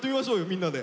みんなで。